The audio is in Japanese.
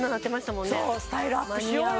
もんねスタイルアップしようよ